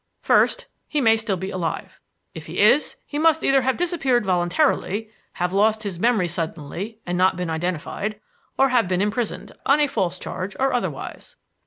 "First, he may still be alive. If he is, he must either have disappeared voluntarily, have lost his memory suddenly and not been identified, or have been imprisoned on a false charge or otherwise.